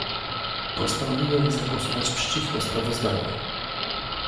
Postanowiłem zagłosować przeciwko sprawozdaniu